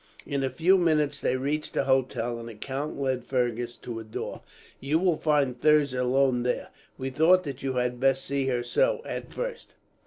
In a few minutes they reached the hotel, and the count led Fergus to a door. "You will find Thirza alone there. We thought that you had best see her so, at first."